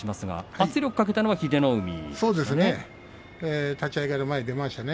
圧力かけたのは英乃海ですね。